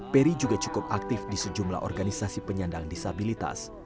peri juga cukup aktif di sejumlah organisasi penyandang disabilitas